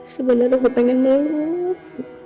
sebenarnya aku pengen meluk